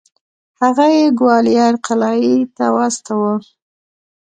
هغه یې ګوالیار قلعې ته واستوه.